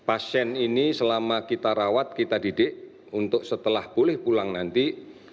pasien ini selama kita rawat kita didik untuk setelah pulih pulang kita akan melakukan self isolated